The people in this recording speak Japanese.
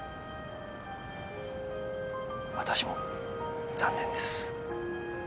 私も残念です。